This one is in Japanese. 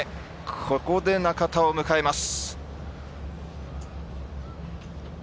ここで中田を迎えます。